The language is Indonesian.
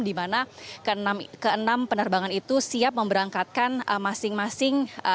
dimana keenam penerbangan itu siap memberangkatkan masing masing dua orang